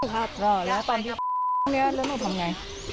แล้วตอนที่แล้วหนูทำไง